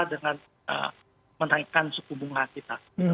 dengan menaikkan suku bunga kita